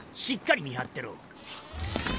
しっかり見張ってろ。